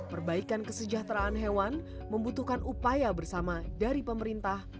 perbaikan kesejahteraan hewan membutuhkan upaya bersama dari pemerintah